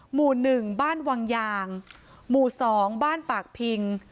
หมู่หนึ่งบ้านวางยางหมู่สองบ้านปากผิง